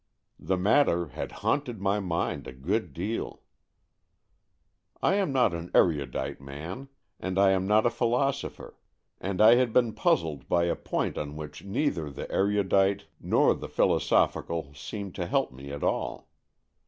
The matter had haunted my mind a good deal. I am not an erudite man, and I am not a philosopher, and I had been puzzled by a point on which neither the erudite nor the philosophical seemed to help me at all.